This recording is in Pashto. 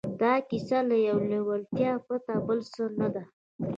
دا کیسه له یوې لېوالتیا پرته بل څه نه ده